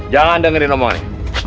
jangan dengerin omongan ini